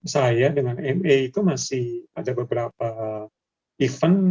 saya dengan ma itu masih ada beberapa event